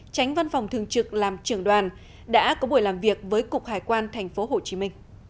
tránh văn phòng thường trực làm trưởng đoàn đã có buổi làm việc với cục hải quan tp hcm